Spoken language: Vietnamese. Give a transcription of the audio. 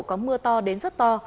có mưa to đến rất to